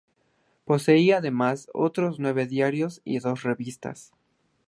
Poseía, además, otros nueve diarios y dos revistas.